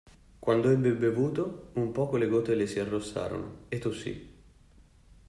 Quando ebbe bevuto, un poco le gote le si arrossarono e tossì.